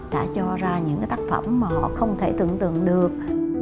đã cho ra những tác phẩm mà họ không thể tưởng tượng được